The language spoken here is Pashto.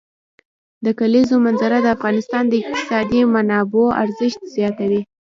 د کلیزو منظره د افغانستان د اقتصادي منابعو ارزښت زیاتوي.